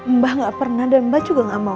mbah gak pernah dan mbak juga gak mau